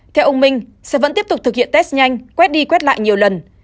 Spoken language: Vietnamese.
theo ông minh sẽ vẫn tiếp tục thực hiện test nhanh quét đi quét lại nhiều lần